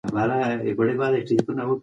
تاسي باید د میوو د باغ خاوند ته ووایئ.